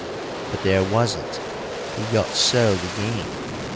But there wasn't he got sold again.